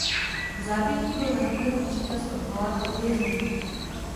Vzápětí byl na Hitlerův příkaz odvolán a uvězněn.